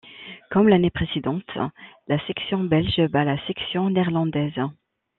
Comme l'année précédente, la sélection belge bat la sélection néerlandaise.